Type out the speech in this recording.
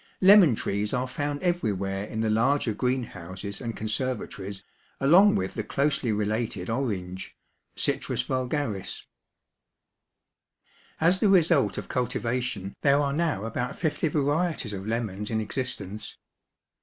Lemon trees are found everywhere in the larger green houses and conservatories along with the closely related orange (Citrus vulgaris.) As the result of cultivation there are now about fifty varieties of lemons in existence.